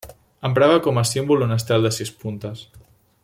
Emprava com a símbol un estel de sis puntes.